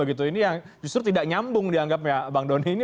ini yang justru tidak nyambung dianggapnya bang doni ini